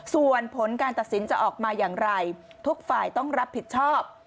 ส่วนผลการตัดสินจะออกมาอย่างไรทุกฝ่ายต้องรับผิดชอบ